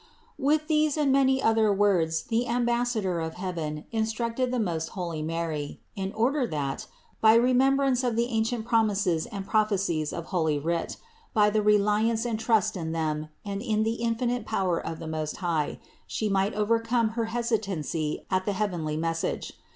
135. With these and many other words the ambassa dor of heaven instructed the most holy Mary, in order that, by the remembrance of the ancient promises and prophecies of holy Writ, by the reliance and trust in them and in the infinite power of the Most High, She might overcome her hesitancy at the heavenly message.